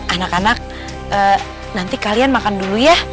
anak anak nanti kalian makan dulu ya